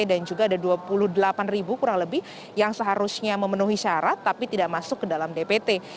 dan juga ada dua puluh delapan ribu kurang lebih yang seharusnya memenuhi syarat tapi tidak masuk ke dalam dpt